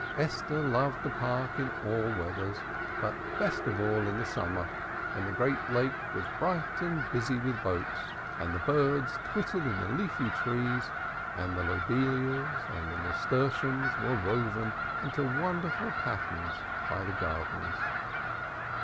Esther loved the Park in all weathers, but best of all in the summer, when the great lake was bright and busy with boats, and the birds twittered in the leafy trees and the lobelias and calceolarias were woven into wonderful patterns by the gardeners.